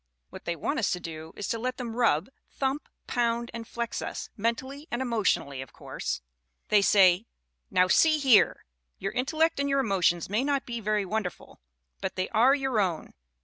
What they want us to do is to let them rub, thump, pound and flex us mentally and emotionally, of course. They say: "Now, see here! Your intellect and your emotions may not be very wonderful but they are your own.